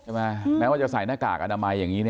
แม้ว่าจะใส่หน้ากากอนามัยอย่างนี้